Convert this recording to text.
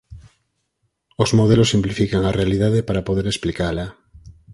Os modelos simplifican a realidade para poder explicala.